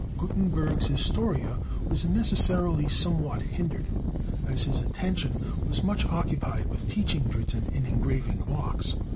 Gutenberg's "Historia" was necessarily somewhat hindered, as his attention was much occupied with teaching Dritzhn in engraving blocks.